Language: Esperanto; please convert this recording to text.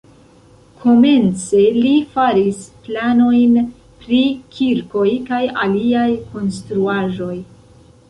Komence li faris planojn pri kirkoj kaj aliaj konstruaĵoj.